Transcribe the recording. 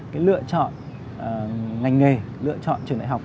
cái lựa chọn ngành nghề lựa chọn trường đại học